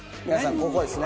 ここですね。